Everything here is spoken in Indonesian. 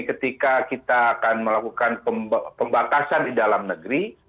ketika kita akan melakukan pembatasan di dalam negeri